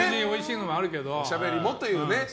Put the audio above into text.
おしゃべりもというね。